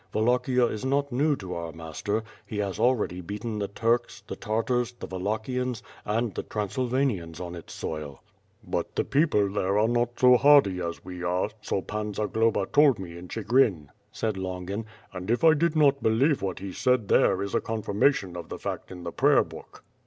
Wallachia is not new to our master, he has already beaten the Turks, the Tartars, the Wallachians, and the Transylvanians on its soil ." "But the people there are not so hardy as we are, so Pan Zagloba told me in Chigrin," said Longin, "and if I did not believe what he said there is a confirmation of the fact in the prayer book."